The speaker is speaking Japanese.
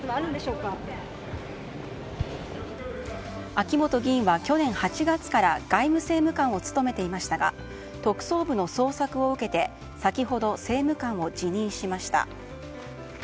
秋本議員は去年８月から外務政務官を務めていましたが特捜部の捜索を受けて先ほど政務官を辞任しました。